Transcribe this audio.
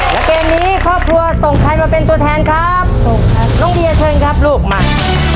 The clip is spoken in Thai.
และเกมนี้ครอบครัวส่งใครมาเป็นตัวแทนครับถูกครับน้องเบียร์เชิญครับลูกมา